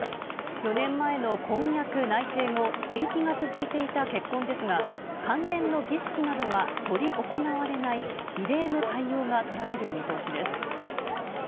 ４年前の婚約内定後、延期が続いていた結婚ですが、関連の儀式などは執り行われない異例の対応が取られる見通しです。